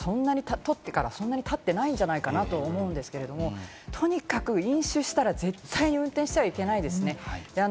まだ１９歳ということで、免許を取ってからまだそんなに経っていないんじゃないかなと思うんですけれど、とにかく飲酒したら絶対運転したらいけないですね。